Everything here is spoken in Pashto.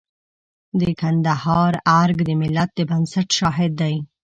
د کندهار ارګ د ملت د بنسټ شاهد دی.